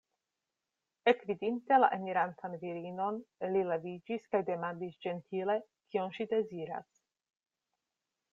Ekvidinte la enirantan virinon, li leviĝis kaj demandis ĝentile, kion ŝi deziras.